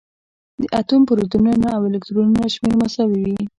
د اتوم پروتونونه او الکترونونه شمېر مساوي وي.